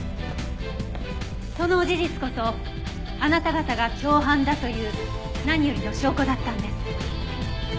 その事実こそあなた方が共犯だという何よりの証拠だったんです。